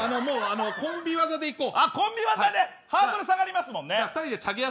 コンビ技で行こう。